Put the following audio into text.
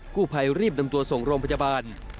ผู้ภัยรีบนำตัวส่งโรงพยาบาล